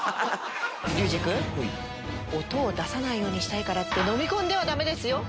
竜次君音を出さないようにしたいからってのみ込んではダメですよ